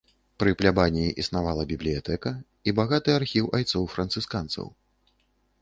Пры плябаніі існавала бібліятэка і багаты архіў айцоў францысканцаў.